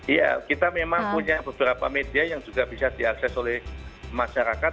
iya kita memang punya beberapa media yang juga bisa diakses oleh masyarakat